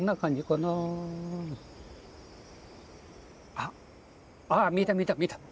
あっああ見えた見えた見えた。